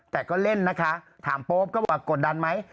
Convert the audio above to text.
แต่ก็เล่นนะคะถามโป๊ปก็บอกว่ากดดันไหม